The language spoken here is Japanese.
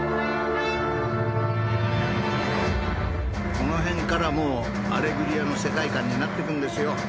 この辺からもうアレグリアの世界観になってくんですよ。